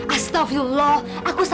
astagfirullah aku sama dia